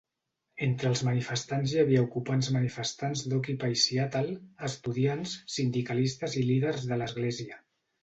Entre els manifestants hi havia ocupants manifestants d'Occupy Seattle, estudiants, sindicalistes i líders de l'església.